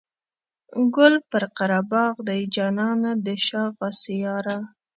ګل پر قره باغ دی جانانه د شا غاسي یاره.